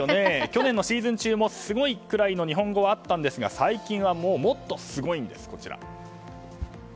去年のシーズン中もすごい日本語はあったんですが最近はもっとすごいんです。